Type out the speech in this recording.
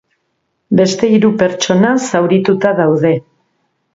Beste hiru pertsona zaurituta daude.